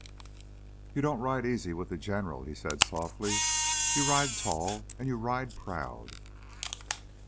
"You don't ride easy with the General," he said softly. "You ride tall and you ride proud!"